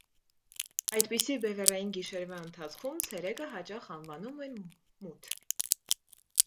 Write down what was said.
Այդպիսի բևեռային գիշերվա ընթացքում ցերեկը հաճախ անվանում են «մութ»։